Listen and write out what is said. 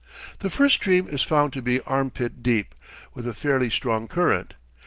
The first stream is found to be arm pit deep, with a fairly strong current.